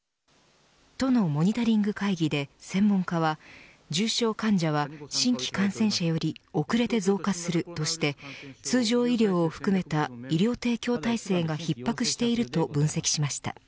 都のモニタリング会議で専門家は重症患者は新規感染者より遅れて増加するとして通常医療を含めた医療提供体制が逼迫していると分析しました。